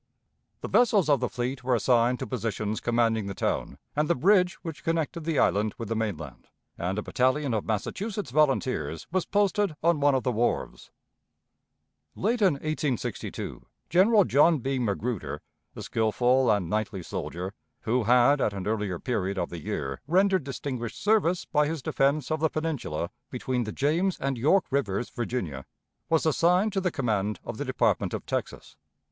The vessels of the fleet were assigned to positions commanding the town and the bridge which connected the island with the mainland, and a battalion of Massachusetts volunteers was posted on one of the wharves. Late in 1862 General John B. Magruder, a skillful and knightly soldier, who had at an earlier period of the year rendered distinguished service by his defense of the peninsula between the James and York Rivers, Virginia, was assigned to the command of the Department of Texas.